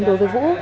đối với vũ